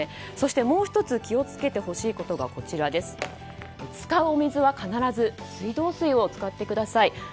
そしてもう１つ気を付けてほしいことが使うお水は必ず水道水を使ってください。